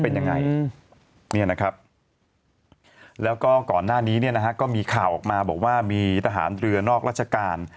เป็นอย่างไงมีข้าวออกมาบอกว่ามีสหรัฐเรือนอกราชการ